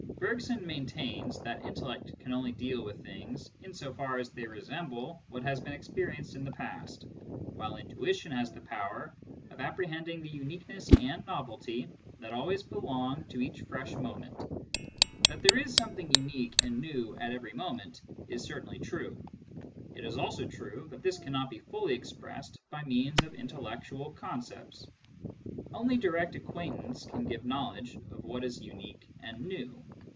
Bergson maintains that intellect can only deal with things in so far as they resemble what has been experienced in the past, while intuition has the power of apprehending the uniqueness and novelty that always belong to each fresh moment. That there is something unique and new at every moment, is certainly true ; it is also true that Digitized by Google CURRENT TENDENCIES 25 this cannot be fully expressed by means of intellectual concepts. Only direct acquaintance can give knowledge of what is unique and new.